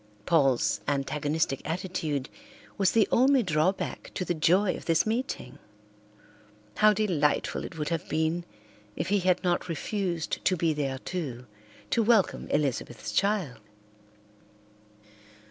Paul's antagonistic attitude was the only drawback to the joy of this meeting. How delightful it would have been if he had not refused to be there too, to welcome Elizabeth's child.